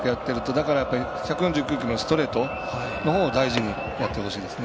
だから、１４９キロのストレートのほうが大事にやってほしいですね。